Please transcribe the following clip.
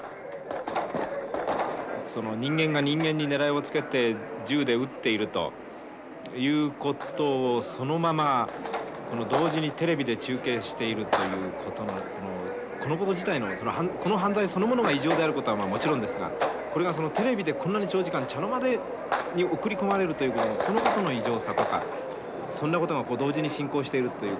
「その人間が人間に狙いをつけて銃で撃っているということをそのまま同時にテレビで中継しているということのこのこと自体のこの犯罪そのものが異常であることはもちろんですがこれがテレビでこんなに長時間茶の間に送り込まれるというそのことの異常さとかそんなことが同時に進行しているという」。